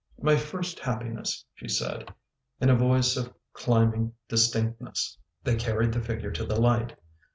" My first happiness," she said, in a voice of climbing distinctness. They carried the figure to the light.